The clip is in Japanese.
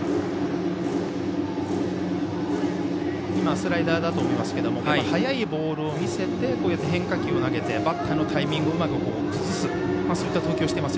スライダーだと思いますけど速いボールを見せてこうやって変化球を投げてバッターのタイミングをうまく崩す。